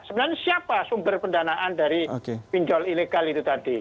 sebenarnya siapa sumber pendanaan dari pinjol ilegal itu tadi